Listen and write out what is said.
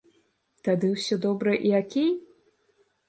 Тады ўсё добра і акей?